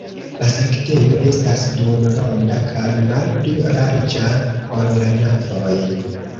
La sanktejo estas duonronda kaj malpli larĝa, ol la navoj.